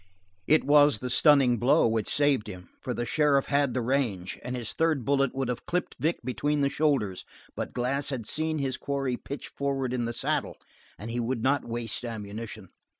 It was the stunning blow which saved him, for the sheriff had the range and his third bullet would have clipped Vic between the shoulders, but Glass had seen his quarry pitch forward in the saddle and he would not waste ammunition.